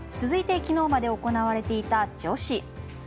続いて、きのうまで行われていた女子。